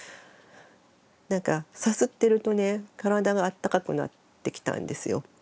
なんかさすってるとね体があったかくなってきたんですよ。